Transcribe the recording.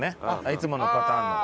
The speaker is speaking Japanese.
いつものパターンの。